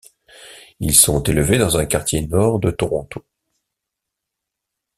Ils sont élevés dans un quartier nord de Toronto.